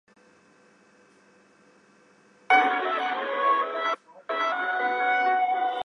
后来在香港政府多方斡旋之下才被获释。